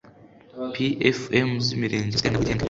pfm z’imirenge ziterana buri gihembwe